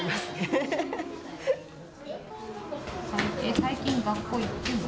最近学校行ってるの？